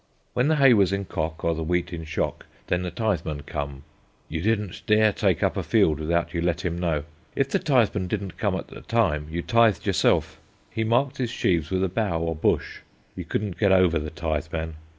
"When the hay was in cock or the wheat in shock, then the Titheman come; you didn't dare take up a field without you let him know. If the Titheman didn't come at the time, you tithed yourself. He marked his sheaves with a bough or bush. You couldn't get over the Titheman.